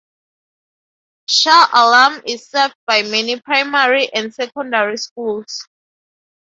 Shah Alam is served by many primary and secondary schools.